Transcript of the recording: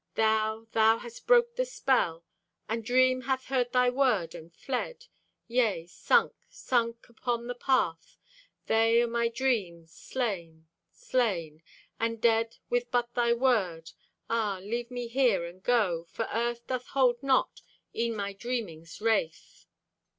Thou, thou hast broke the spell, And dream hath heard thy word and fled. Yea, sunk, sunk upon the path, They o' my dreams—slain, slain, And dead with but thy word. Ah, leave me here and go, For Earth doth hold not E'en my dreaming's wraith.